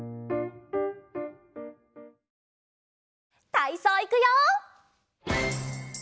たいそういくよ！